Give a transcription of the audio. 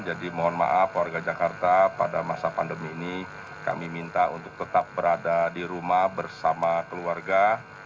jadi mohon maaf warga jakarta pada masa pandemi ini kami minta untuk tetap berada di rumah bersama keluarga